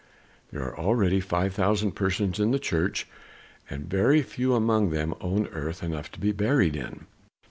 There are already five thousand persons in the church, and very few among them own earth enough to be buried in."